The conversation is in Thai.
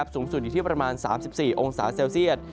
สูงสุดอยู่ที่ประมาณ๓๔องศาเซลเซียต